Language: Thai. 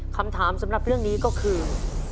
คำถามสำหรับเรื่องนี้ก็คือ